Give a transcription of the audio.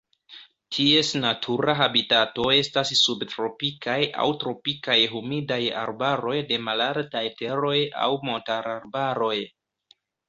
Ties natura habitato estas subtropikaj aŭ tropikaj humidaj arbaroj de malaltaj teroj aŭ montararbaroj.